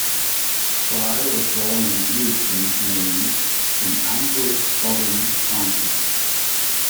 Frye was born in Lewiston, Maine, in Androscoggin County.